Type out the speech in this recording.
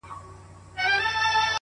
بس ده د خداى لپاره زړه مي مه خوره؛